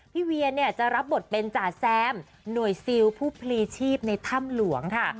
เวียเนี่ยจะรับบทเป็นจ่าแซมหน่วยซิลผู้พลีชีพในถ้ำหลวงค่ะ